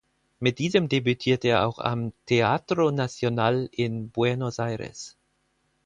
Mit diesem debütierte er auch am "Teatro Nacional" in Buenos Aires.